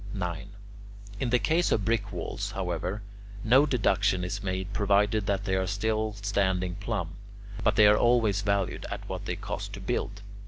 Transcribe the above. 9. In the case of brick walls, however, no deduction is made provided that they are still standing plumb, but they are always valued at what they cost to build.